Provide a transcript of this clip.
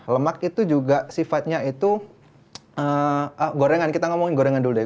lemak itu juga sifatnya itu gorengan kita ngomongin gorengan dulu deh